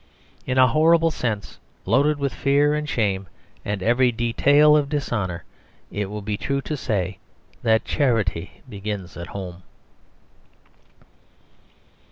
In a horrible sense, loaded with fear and shame and every detail of dishonour, it will be true to say that charity begins at home.